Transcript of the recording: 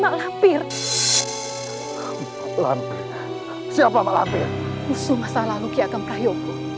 jangan lupa like share dan subscribe ya